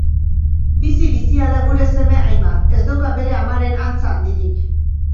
Bizi-bizia da gure seme Aimar; ez dauka bere amaren antz handirik!